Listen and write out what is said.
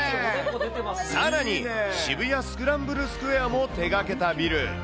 さらに、渋谷スクランブルスクエアも手がけたビル。